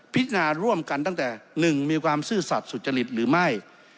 พินาร่วมกันตั้งแต่๑มีความซื่อสัตว์สุจริตหรือไม่